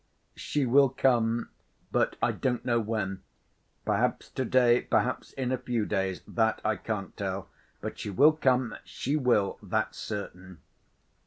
"She will come, but I don't know when. Perhaps to‐day, perhaps in a few days, that I can't tell. But she will come, she will, that's certain."